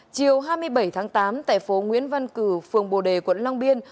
chiều hai mươi bảy tháng tám tại phố nguyễn văn cử phường bồ đề quận long biên